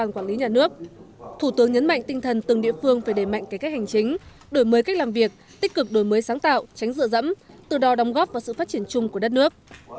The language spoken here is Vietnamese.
tuy nhiên thủ tướng nhận chúng ta nhận thấy còn nhiều bất cập trong quá trình phát triển từ đó cần phải có giải pháp khắc phục